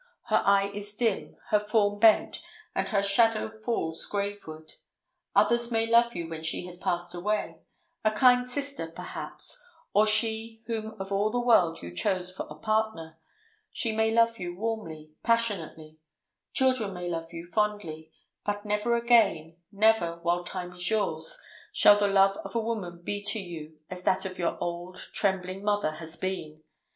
Her eye is dim, her form bent, and her shadow falls grave ward. Others may love you when she has passed away—a kind hearted sister, perhaps, or she whom of all the world you chose for a partner—she may love you warmly, passionately; children may love you fondly; but never again, never, while time is yours, shall the love of woman be to you as that of your old, trembling mother has been.